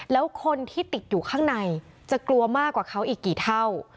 แล้วคนที่ติดอยู่ข้างในจะกลัวมากกว่าเขาอีกกี่เท่า